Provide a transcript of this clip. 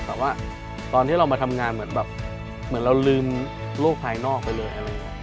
แต่ว่าตอนที่เรามาทำงานเหมือนแบบเหมือนเราลืมโลกภายนอกไปเลยอะไรอย่างนี้